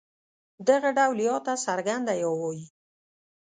دغه ډول ي ته څرګنده يې وايي.